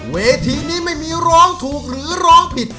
เวทีนี้ไม่มีร้องถูกหรือร้องผิด